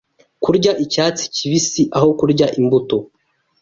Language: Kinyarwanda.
Kurya icyatsi kibisi aho kurya imuto